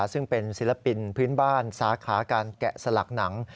ซึ่งเป็นศิลปินพื้นบ้านสาขาการแกะสลักหนัง